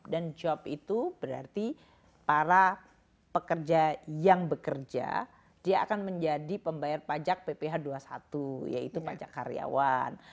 dan job itu berarti para pekerja yang bekerja dia akan menjadi pembayar pajak pph dua puluh satu yaitu pajak karyawan